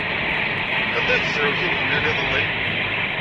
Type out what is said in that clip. Anda ay tezrew Taninna iḍelli?